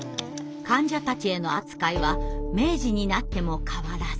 患者たちへの扱いは明治になっても変わらず。